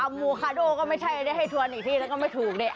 หมูคาโดก็ไม่ใช่ได้ให้ทวนอีกทีแล้วก็ไม่ถูกเนี่ย